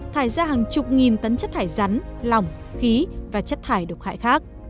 thải ra hàng chục nghìn tấn chất thải rắn lỏng khí và chất thải độc hại khác